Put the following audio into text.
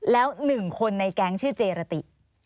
แล้ว๑คนในแก๊งชื่อเจรติ